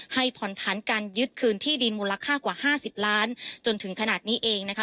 ให้ผ่อนผันการยึดคืนที่ดินมูลค่ากว่าห้าสิบล้านจนถึงขนาดนี้เองนะคะ